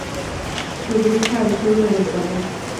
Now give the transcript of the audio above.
Se ubica al sur del ecuador.